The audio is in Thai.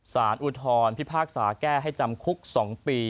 อุทธรพิพากษาแก้ให้จำคุก๒ปี